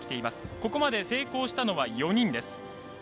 ここまで、成功したのは４人です。